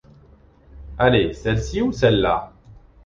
Allez, celle-ci ou celles-là